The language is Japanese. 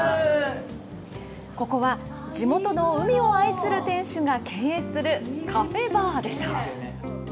ここは地元の海を愛する店主が経営するカフェバーでした。